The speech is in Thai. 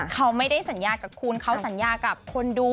เขาไม่ได้สัญญากับคุณเขาสัญญากับคนดู